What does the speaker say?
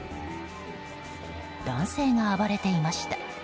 男性が暴れていました。